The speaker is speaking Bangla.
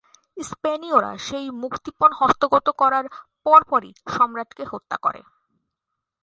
স্পেনীয়রা সেই মুক্তিপণ হস্তগত করার পরপরই সম্রাটকে হত্যা করে।